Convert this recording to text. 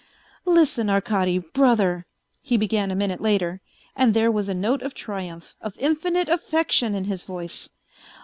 " Listen, Arkady, brother," he began a minute later, and there was a note of triumph, of infinite affection in his voice.